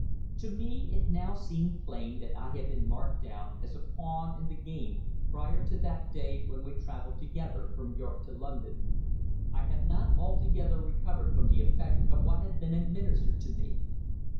To me it now seemed plain that I had been marked down as a pawn in the game prior to that day when we travelled together from York to London. I had not altogether recovered from the effect of what had been administered to me.